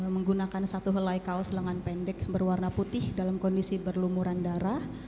menggunakan satu helai kaos lengan pendek berwarna putih dalam kondisi berlumuran darah